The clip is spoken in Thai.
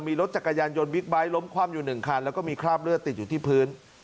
มีรถจักรยานยนต์บิ๊กไบท์ล้มคว่ำอยู่๑คันแล้วก็มีคราบเลือดติดอยู่ที่พื้น